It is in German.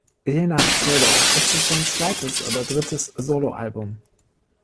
Je nach Zählung ist es sein zweites oder drittes Soloalbum.